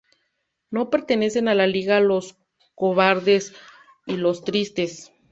No pertenecen a la Liga los cobardes y los tristes".